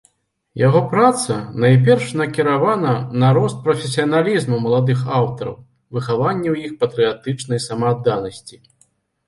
Яго праца найперш накіравана на рост прафесіяналізму маладых аўтараў, выхаванне ў іх патрыятычнай самаадданасці.